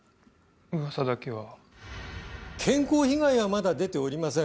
噂だけは健康被害はまだ出ておりません